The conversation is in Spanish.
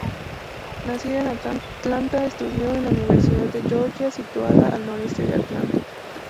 Nacida en Atlanta, estudió en la Universidad de Georgia, situada al noreste de Atlanta.